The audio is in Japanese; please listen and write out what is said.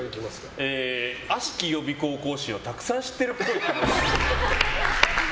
悪しき予備校講師をたくさん知ってるっぽい。